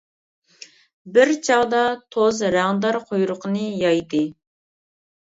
بىر چاغدا توز رەڭدار قۇيرۇقىنى يايدى.